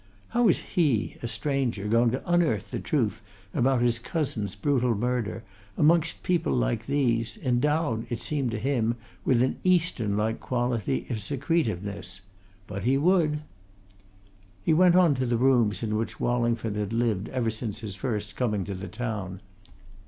How was he, a stranger, going to unearth the truth about his cousin's brutal murder, amongst people like these, endowed, it seemed to him, with an Eastern like quality of secretiveness? But he would! He went on to the rooms in which Wallingford had lived ever since his first coming to the town.